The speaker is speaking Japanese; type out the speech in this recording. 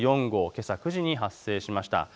けさ９時に発生しました。